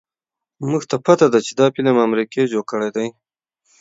مونږ ته پته ده چې دا فلم امريکې جوړ کړے دے